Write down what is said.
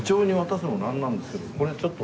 これちょっと。